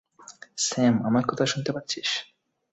Sam, আমার কথা শুনতে পাচ্ছিস?